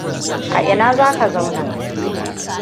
A ina zaka zauna?